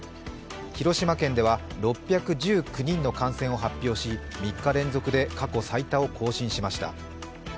広島県では６１９人の感染を発表し３日連続で過去最多を更新しました。